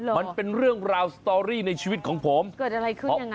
มันเป็นเรื่องราวสตอรี่ในชีวิตของผมเกิดอะไรขึ้นยังไง